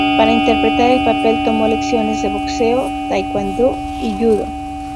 Para interpretar el papel, tomó lecciones de boxeo, taekwondo y judo.